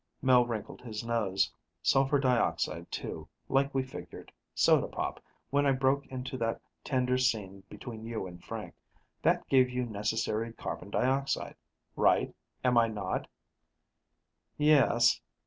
Mel wrinkled his nose. "Sulfur dioxide, too, like we figured. Soda pop, when I broke into that tender scene between you and Frank that gave you necessary carbon dioxide, right, am I not?" "Yes